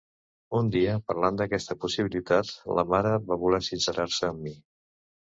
Un dia, parlant d'aquesta possibilitat, la mare va voler sincerar-se amb mi.